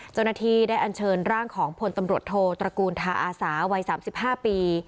เจ้าหน้าที่ได้อันเชิญร่างของพลตำรวจโทตระกูลทาอาสาวัย๓๕ปี